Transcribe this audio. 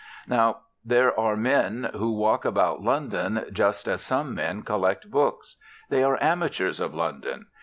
Now, there are men who walk about London just as some men collect books. They are amateurs of London.